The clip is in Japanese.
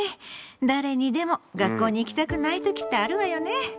誰にでも学校に行きたくない時ってあるわよね。